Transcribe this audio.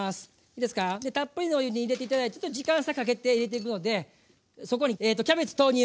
いいですかたっぷりのお湯に入れて頂いてちょっと時間差かけて入れていくのでそこにキャベツ投入！